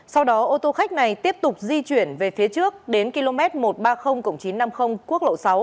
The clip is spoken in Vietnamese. sau đó ô tô khách này tiếp tục di chuyển về phía trước đến km một trăm ba mươi chín trăm năm mươi quốc lộ sáu